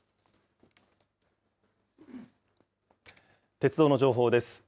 鉄道の情報です。